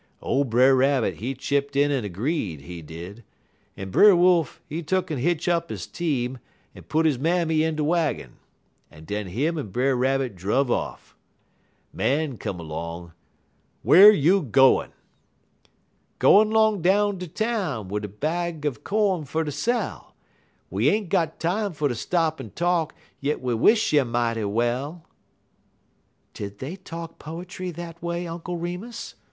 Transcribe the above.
"Ole Brer Rabbit, he chipt in en 'greed, he did, en Brer Wolf, he tuck'n hitch up he team, en put he mammy in de waggin, en den him en Brer Rabbit druv off. Man come 'long: "'Whar you gwine?' "'_Gwine 'long down ter town, Wid a bag er co'n fer ter sell; We ain't got time fer ter stop en talk, Yit we wish you mighty well!_'" "Did they talk poetry that way, Uncle Remus?"